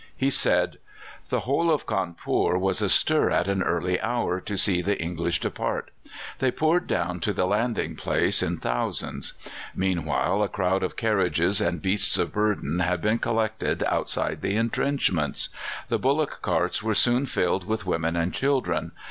He said: "The whole of Cawnpore was astir at an early hour to see the English depart. They poured down to the landing place in thousands. Meanwhile a crowd of carriages and beasts of burden had been collected outside the entrenchments. The bullock carts were soon filled with women and children.